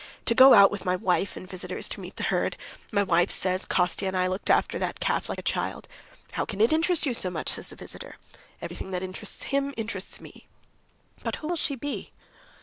To go out with my wife and visitors to meet the herd.... My wife says, 'Kostya and I looked after that calf like a child.' 'How can it interest you so much?' says a visitor. 'Everything that interests him, interests me.' But who will she be?"